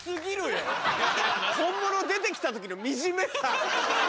本物出て来た時の惨めさ。